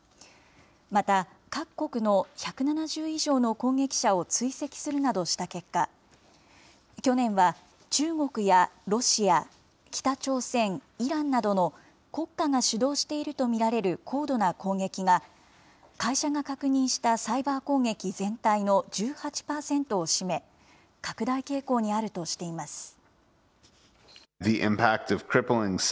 また、各国の１７０以上の攻撃者を追跡するなどした結果、去年は中国やロシア、北朝鮮、イランなどの、国家が主導していると見られる高度な攻撃が、会社が確認したサイバー攻撃全体の１８％を占め、拡大傾向にあるとしています。